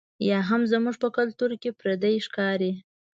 یا هم زموږ په کلتور کې پردۍ ښکاري.